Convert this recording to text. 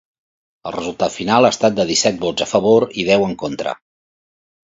El resultat final ha estat de disset vots a favor i deu en contra.